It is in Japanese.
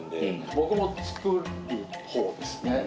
僕も作るほうですね。